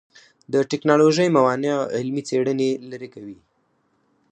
د ټکنالوژۍ موانع علمي څېړنې لرې کوي.